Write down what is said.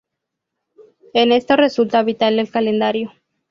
En esto resulta vital el calendario.